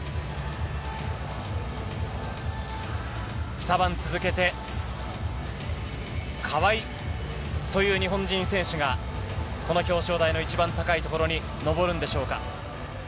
２晩続けて、川井という日本人選手が、この表彰台の一番高いところに上るんでしょうか。